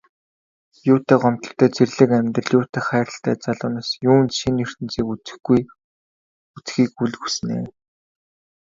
Юутай гомдолтой зэрлэг амьдрал, юутай хайрлалтай залуу нас, юунд шинэ ертөнцийг үзэхийг үл хүснэ.